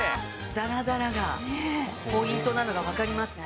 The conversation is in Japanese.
ザラザラがポイントなのがわかりますね。